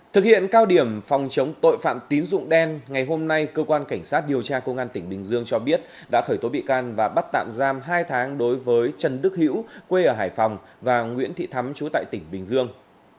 thực hiện cao điểm phòng chống tội phạm tín dụng đen ngày hôm nay cơ quan cảnh sát điều tra công an tỉnh bình dương cho biết đã khởi tố bị can và bắt tạm giam hai tháng đối với trần đức hữu quê ở hải phòng và nguyễn thị thắm chú tại tỉnh bình dương